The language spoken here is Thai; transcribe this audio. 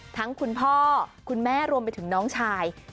คุณพ่อคุณแม่รวมไปถึงน้องชาย